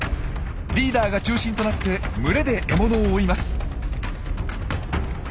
リーダーが中心となって群れで獲物を追います。